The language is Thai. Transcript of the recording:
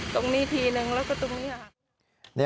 ตรงนี้ทีนึงแล้วก็ตรงนี้ค่ะ